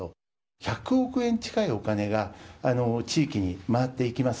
１００億円近いお金が、地域に回っていきます。